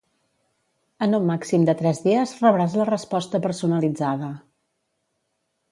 En un màxim de tres dies rebràs la resposta personalitzada.